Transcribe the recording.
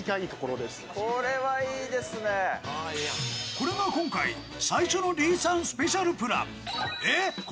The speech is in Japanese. これが今回最初の李さんスペシャルプラン。